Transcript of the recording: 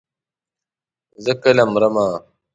زه کله مرمه.